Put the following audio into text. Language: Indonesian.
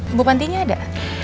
ibu pantinya ada